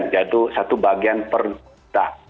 jadi satu ppm